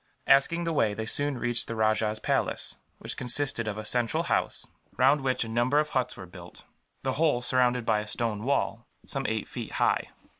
Asking the way, they soon reached the rajah's palace, which consisted of a central house, round which a number of huts were built; the whole surrounded by a stone wall, some eight feet high.